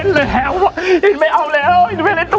พ่อพ่อพ่ออีกขอโทษ